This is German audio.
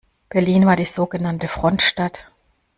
Berlin war die sogenannte Frontstadt.